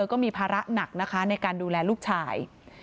ก็มีภาระหนักนะคะในการดูแลลูกชาย